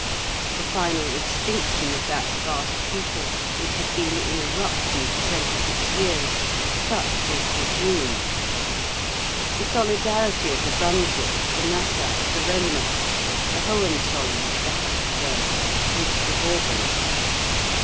The final extinction of that vast people which had been in eruption for twenty six years—such was the dream. The solidarity of the Brunswicks, the Nassaus, the Romanoffs, the Hohenzollerns, the Hapsburgs with the Bourbons.